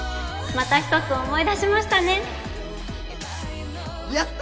また１つ思い出しましたねやった！